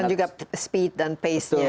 dan juga speed dan pace nya itu bagi kita